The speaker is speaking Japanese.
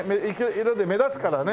色で目立つからね。